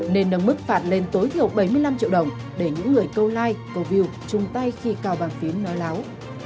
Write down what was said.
nên nâng mức phạt lên tối thiểu bảy mươi năm triệu đồng để những người câu like câu view chung tay khi cào bàn phím nói láo